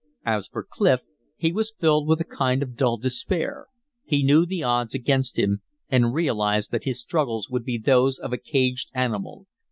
As for Clif, he was filled with a kind of dull despair; he knew the odds against him, and realized that his struggles would be those of a caged animal.